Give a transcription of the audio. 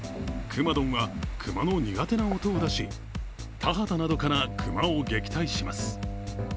くまドンは熊の苦手な音を出し、田畑などから熊を撃退します。